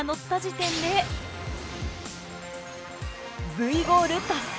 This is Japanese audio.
Ｖゴール達成！